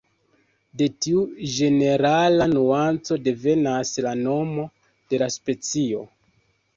De tiu ĝenerala nuanco devenas la nomo de la specio.